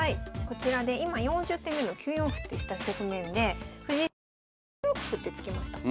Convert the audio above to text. こちらで今４０手目の９四歩ってした局面で藤井先生が８六歩って突きました。